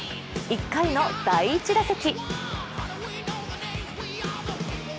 １回の第１打席。